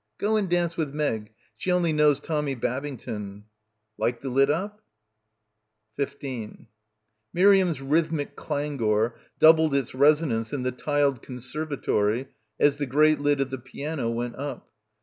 "Go and dance with Meg. She only knows Tommy Babington." "Like the lid up?" 15 Miriam's rhythmic clangour doubled its reso nance in the tiled conservatory as the great lid of the piano went up.